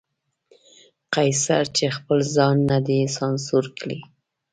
قیصر چې خپل ځان نه دی سانسور کړی.